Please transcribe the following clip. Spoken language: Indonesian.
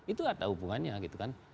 itu ada hubungannya gitu kan